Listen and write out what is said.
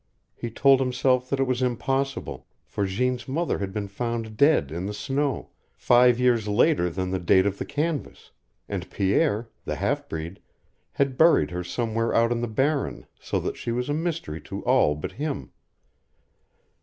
He told himself that it was impossible, for Jeanne's mother had been found dead in the snow, five years later than the date of the canvas, and Pierre, the half breed, had buried her somewhere out on the barren, so that she was a mystery to all but him.